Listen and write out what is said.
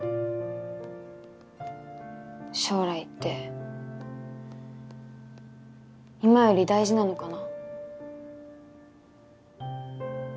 「将来って今より大事なのかな？」。